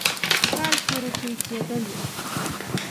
په کال کې روپۍ کېدلې.